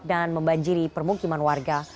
dan membanjiri pemukiman warga